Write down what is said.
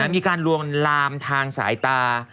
มีการลวนลามทางสายตา